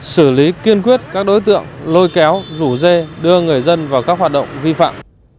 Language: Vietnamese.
xử lý kiên quyết các đối tượng lôi kéo rủ dê đưa người dân vào các hoạt động vi phạm